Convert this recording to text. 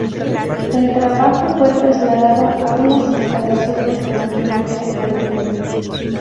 El trabajo fue trasladado a unas instalaciones de maquinaria agrícola.